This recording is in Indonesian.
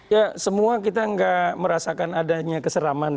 ya semua kita nggak merasakan adanya keseraman